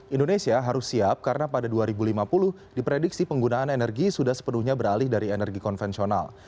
indonesia harus siap karena pada dua ribu lima puluh diprediksi penggunaan energi sudah sepenuhnya beralih dari energi konvensional